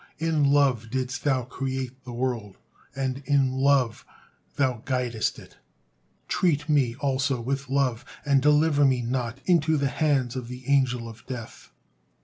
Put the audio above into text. In love didst Thou create the world, and in love Thou guidest it. Treat me also with love, and deliver me not into the hands of the Angel of Death."